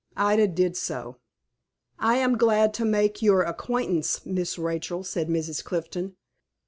Ida did so. "I am glad to make your acquaintance, Miss Rachel," said Mrs. Clifton.